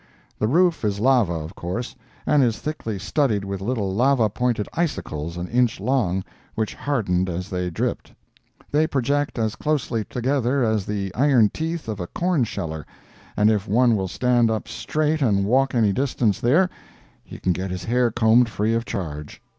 The roof is lava, of course, and is thickly studded with little lava pointed icicles an inch long, which hardened as they dripped. They project as closely together as the iron teeth of a corn sheller, and if one will stand up straight and walk any distance there, he can get his hair combed free of charge.